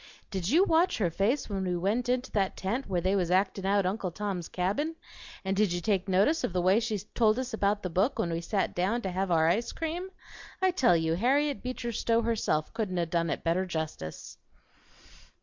Did you watch her face when we went into that tent where they was actin' out Uncle Tom's Cabin? And did you take notice of the way she told us about the book when we sat down to have our ice cream? I tell you Harriet Beecher Stowe herself couldn't 'a' done it better justice."